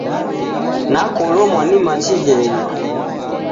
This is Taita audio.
Nakolomwa ni machi ghenywa.